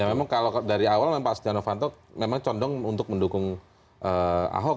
ya memang kalau dari awal memang pak setia novanto memang condong untuk mendukung ahok